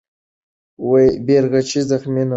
بیرغچی زخمي نه و.